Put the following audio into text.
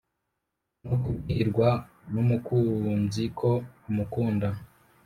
no kubwirwa n’umukunzi ko amukunda,